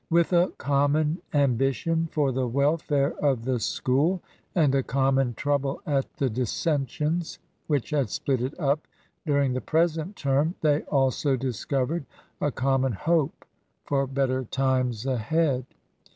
With a common ambition for the welfare of the School, and a common trouble at the dissensions which had split it up during the present term, they also discovered a common hope for better times ahead.